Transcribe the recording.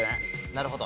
なるほど。